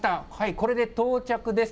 これで到着です。